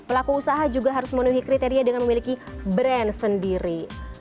pelaku usaha juga harus memenuhi kriteria dengan memiliki brand sendiri